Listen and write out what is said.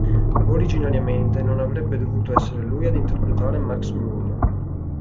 Originariamente, non avrebbe dovuto essere lui ad interpretare Max Moon.